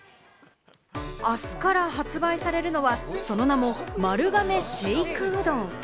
明日から発売されるのは、その名も丸亀シェイクうどん。